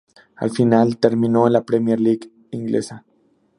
Al final, terminó en la Premier League inglesa.